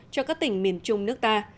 cho các tỉnh miền trung nước ta